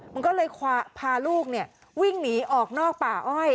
มันก็เลยพาลูกวิ่งหนีออกนอกป่าอ้อย